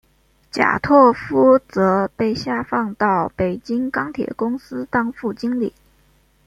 贾拓夫则被下放到北京钢铁公司当副经理。